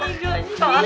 iya itu juga